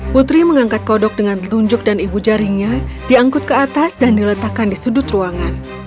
putri mengangkat kodok dengan telunjuk dan ibu jarinya diangkut ke atas dan diletakkan di sudut ruangan